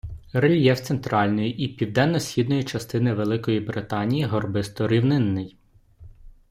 Рельєф центральної, і південно-східної частин Великої Британії горбисто-рівнинний.